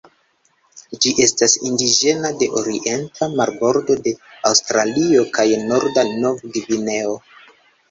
Ĝi estas indiĝena de orienta marbordo de Aŭstralio kaj norda Nov-Gvineo.